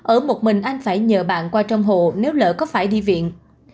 ở một mình anh phải nhờ bạn qua trong hộ nếu lỡ có phải đi viện